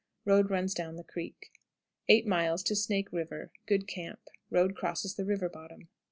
Road runs down the creek. 8. Snake River. Good camp. Road crosses the river bottom.